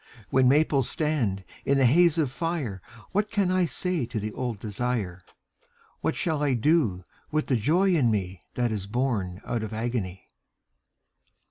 When maples stand in a haze of fire What can I say to the old desire, What shall I do with the joy in me That is born out of agony?